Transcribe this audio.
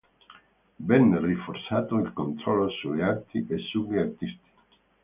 Venne rinforzato il controllo sulle arti e sugli artisti.